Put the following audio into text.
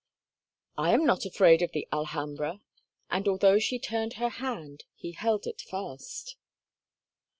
"I am not afraid of the Alhambra," and although she turned her hand he held it fast.